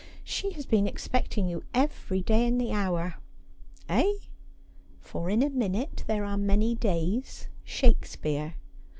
' iShe has been expecting you every day i' the hour.' 'Eh?' "■ For in a minute there are many days'' — Shakespeare.'